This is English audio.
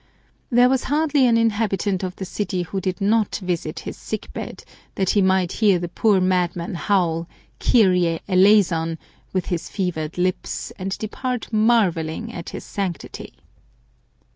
There was hardly an inhabitant of the city who did not visit his sickbed, that he might hear the poor madman howl, " Kyrie eleison !" with his fevered lips, and depart marvelling at his sanctity.